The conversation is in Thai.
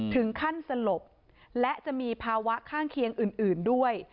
สลบและจะมีภาวะข้างเคียงอื่นด้วย